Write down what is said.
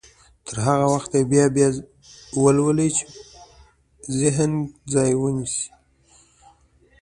تر هغه وخته يې بيا بيا يې ولولئ چې ذهن کې ځای ونيسي.